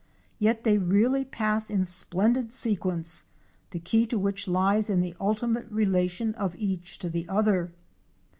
Yet they really pass in splendid sequence, the key to which lies in the ultimate relation of each to the other.